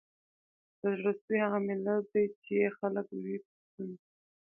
د زړه سوي هغه ملت دی چي یې خلک وي پسونه